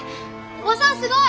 おばさんすごい！